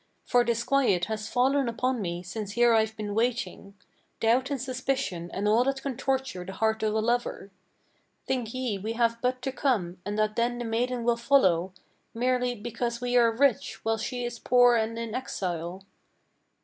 For disquiet has fallen upon me since here I've been waiting, Doubt and suspicion and all that can torture the heart of a lover. Think ye we have but to come, and that then the maiden will follow Merely because we are rich, while she is poor and an exile?